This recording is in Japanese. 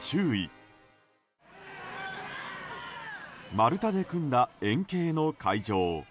丸太で組んだ円形の会場。